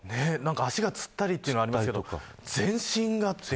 足がつったりとかはありますけど、全身がって。